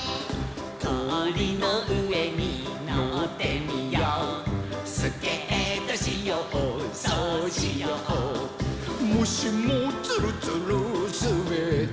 「こおりのうえにのってみよう」「スケートしようそうしよう」「もしもツルツルすべったら」